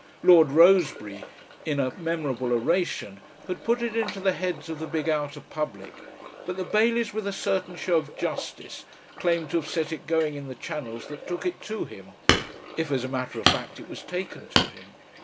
Lord Roseberry in a memorable oration had put it into the heads of the big outer public, but the Baileys with a certain show of justice claimed to have set it going in the channels that took it to him if as a matter of fact it was taken to him.